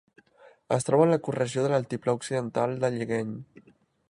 Es troba en l'ecoregió de l'Altiplà Occidental d'Allegheny.